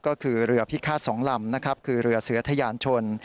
ก็คือเรือพิฆาต๒ลำนะครับคือเรือเสือทะยานชน